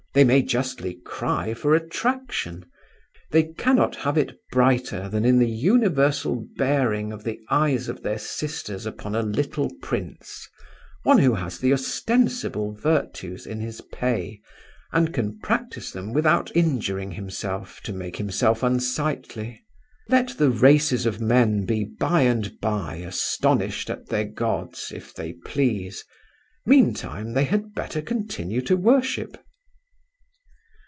They may justly cry for attraction. They cannot have it brighter than in the universal bearing of the eyes of their sisters upon a little prince, one who has the ostensible virtues in his pay, and can practise them without injuring himself to make himself unsightly. Let the races of men be by and by astonished at their Gods, if they please. Meantime they had better continue to worship.